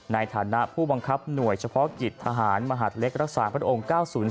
ในฐานะผู้บังคับหน่วยเฉพาะกิจทหารมหาดเล็กรักษาพระองค์๙๐๔